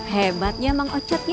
hebatnya mak ocad ya